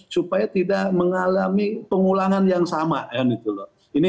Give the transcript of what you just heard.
supaya tidak mengalami pengulangan yang sama kan gitu loh